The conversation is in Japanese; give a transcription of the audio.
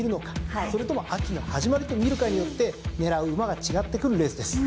それとも秋の始まりと見るかによって狙う馬が違ってくるレースです。